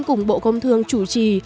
cùng bộ công thương chủ trì